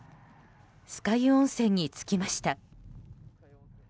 酸ヶ湯温泉に着きました。